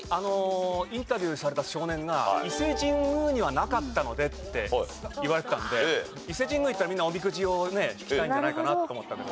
インタビューされた少年が伊勢神宮にはなかったのでって言われてたので伊勢神宮行ったらみんなおみくじをね引きたいんじゃないかなと思ったんだけど。